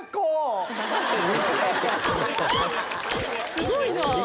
すごいなぁ。